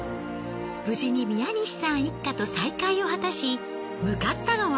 無事に宮西さん一家と再会を果たし向かったのは。